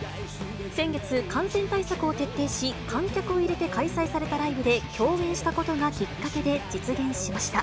先月、感染対策を徹底し、観客を入れて開催されたライブで共演したことがきっかけで、実現しました。